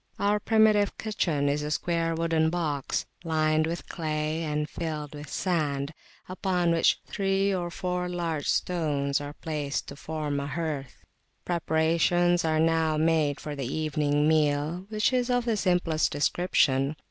Our primitive kitchen is a square wooden box, lined with clay, and filled with sand, upon which three or four large stones are placed to form a hearth. Preparations are now made for the evening meal, which is of the simplest description.